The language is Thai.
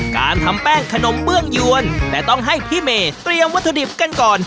การทำแป้งขนมเบื้องยวนแต่ต้องให้พี่เมย์เตรียมวัตถุดิบกันก่อน